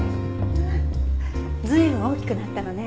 随分大きくなったのね。